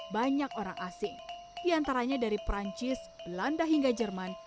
banyak orang asing diantaranya dari perancis belanda hingga jerman